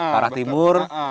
ke arah timur